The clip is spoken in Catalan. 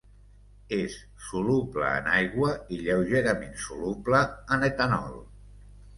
És soluble en aigua i lleugerament soluble en etanol.